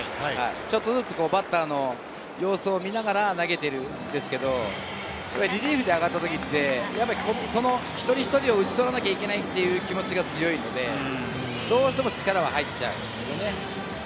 ちょっとずつバッターの様子を見ながら投げているんですけれど、リリーフで上がった時は一人一人を打ち取らなければいけないという気持ちが強いのでどうしても力が入っちゃうよね。